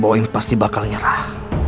boim pasti bakal nyerah